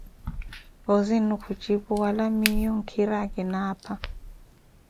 Puuzi-nnu khucipu: Wala miiyo nkhira akina apha.